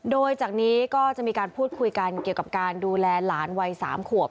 โดยจากนี้ก็จะมีการพูดคุยกันเกี่ยวกับการดูแลหลานวัย๓ขวบ